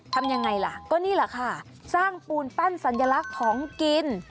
ทำยังไงล่ะก็นี่แหละค่ะสร้างปูนปั้นสัญลักษณ์ของกิน